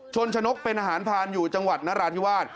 ชนชนกเป็นอาหารพานอยู่จังหวัดนราธิวาส